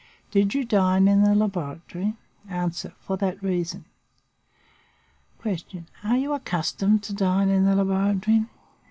Did you dine in the laboratory? "A. For that reason. "Q. Are you accustomed to dine in the laboratory?